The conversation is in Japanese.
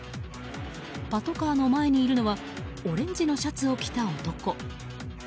パトカーの前にいるのはオレンジのシャツを着た男。